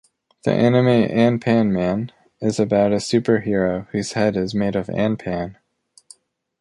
The anime "Anpanman" is about a superhero whose head is made of anpan.